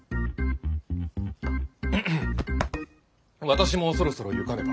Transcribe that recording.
私もそろそろ行かねば。